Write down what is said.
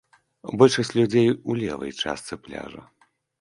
Большасць людзей у левай частцы пляжа.